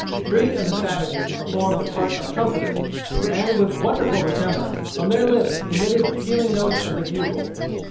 Three of the savages performed the part of trumpeters, and with wonderful resemblance, from their lips, emitted the pealing notes of the bugle.